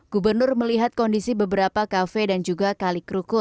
gubernur melihat kondisi beberapa kondisi